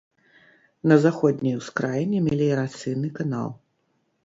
На заходняй ускраіне меліярацыйны канал.